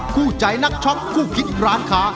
คู่ใจนักช็อคคู่คิดร้านค้า